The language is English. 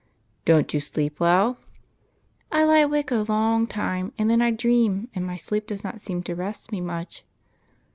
" Don't you sleep well ?"" I lie awake a long time, and then I dream, and my sleep does not seem to rest me much."